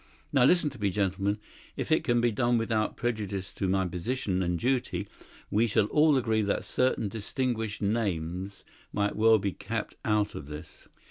Now listen to me, gentlemen. If it can be done without prejudice to my position and duty, we shall all agree that certain distinguished names might well be kept out of this.